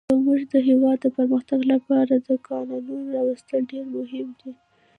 زموږ د هيواد د پرمختګ لپاره د کانونو راويستل ډير مهم دي.